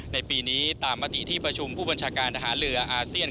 ในปีนี้ตามมติที่ประชุมผู้บัญชาการทหารเรืออาเซียน